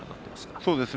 そうですね。